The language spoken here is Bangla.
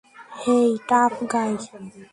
হেই, টাফ গাই।